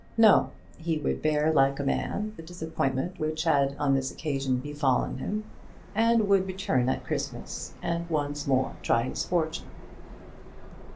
No! He would bear like a man the disappointment which had on this occasion befallen him, and would return at Christmas and once more try his fortune.